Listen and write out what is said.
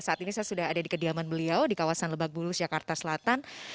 saat ini saya sudah ada di kediaman beliau di kawasan lebak bulus jakarta selatan